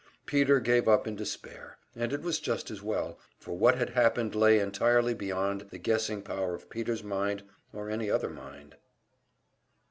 Peter gave up in despair; and it was just as well, for what had happened lay entirely beyond the guessing power of Peter's mind or any other mind.